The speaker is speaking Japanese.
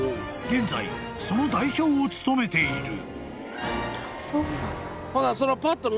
［現在その代表を務めている］